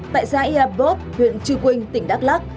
tại xã yabop huyện chư quynh tỉnh đắk lắc